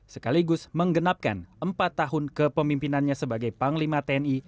sekaligus menggenapkan empat tahun kepemimpinannya sebagai panglima tni